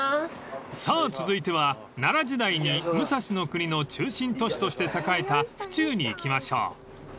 ［さあ続いては奈良時代に武蔵国の中心都市として栄えた府中に行きましょう］